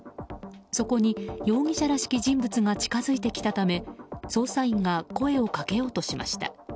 そこに容疑者らしき人物が近づいてきたため捜査員が声をかけようとしました。